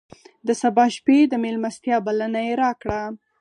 د سبا شپې د مېلمستیا بلنه یې راکړه.